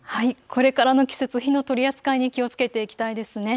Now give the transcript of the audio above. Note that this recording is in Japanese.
これからの季節、火の取り扱いに気をつけていきたいですね。